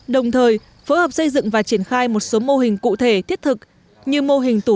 đồng thời phối hợp xây dựng và triển khai một số mô hình cụ thể thiết thực như mô hình tủ